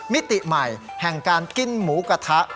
มิติใหม่แห่งการกินหมูกระทะ